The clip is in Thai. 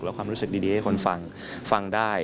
แล้วความรู้สึกดีให้คนฟังฟังได้